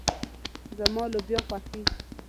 زما لوبيا خوښيږي.